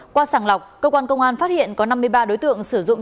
qua sàng lọc cơ quan công an phát hiện có năm mươi ba đối tượng sử dụng